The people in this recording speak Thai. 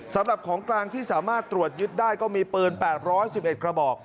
สำหรับของกลางที่สามารถตรวจยึดได้ก็มีปืน๘๑๑กระบอก